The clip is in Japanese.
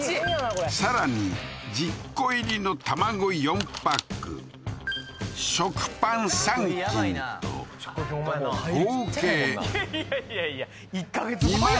さらに１０個入りの卵４パック食パン３斤と合計いやいやいやいや１か月分やん